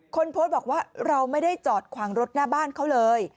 คนโพสต์บอกว่าเราไม่ได้จอดขวางรถหน้าบ้านเขาเลย